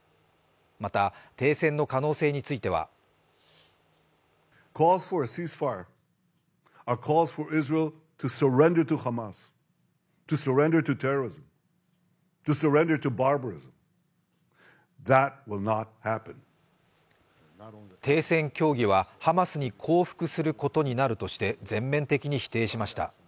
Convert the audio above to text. また、停戦の可能性については停戦協議はハマスに降伏することになるとして全面的に否定しました。